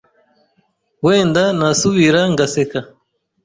Wenda nasubira ngaseka